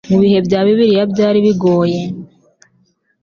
Mu bihe bya Bibiliya byaribigoye